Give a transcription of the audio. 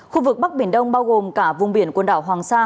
khu vực bắc biển đông bao gồm cả vùng biển quần đảo hoàng sa